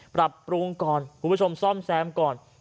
ปรับปรุงก่อนคุณผู้ชมซ่อมแซมก่อน